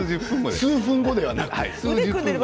数分後ではなく？